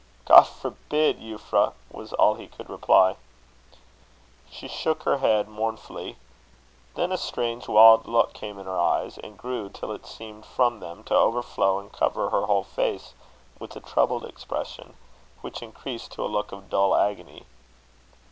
"God forbid, Euphra!" was all he could reply. She shook her head mournfully. Then a strange, wild look came in her eyes, and grew till it seemed from them to overflow and cover her whole face with a troubled expression, which increased to a look of dull agony.